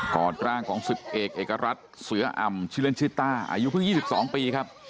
อดร่างของ๑๐เอกเอกรัฐเสืออำชื่อเล่นชื่อต้าอายุเพิ่ง๒๒ปีครับ